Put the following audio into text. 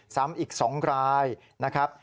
ซ้ำอีก๒รายนะครับ